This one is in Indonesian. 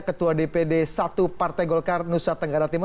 ketua dpd satu partai golkar nusa tenggara timur